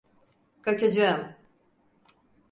Kaçacağım.